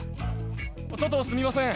ちょっとすみません。